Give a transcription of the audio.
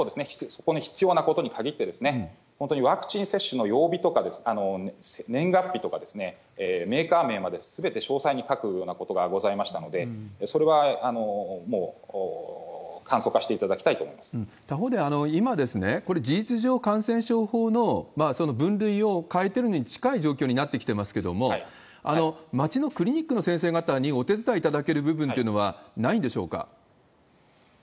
そこに必要なことに限って、本当にワクチン接種の曜日とか年月日とか、メーカー名まですべて詳細に書くようなことがございましたので、それはもう簡素化していただきたいと思い他方で今、これ、事実上、感染症法の分類を変えてるに近い状況になってきていますけれども、街のクリニックの先生方にお手伝いいただける部分というのはないんでしょうか。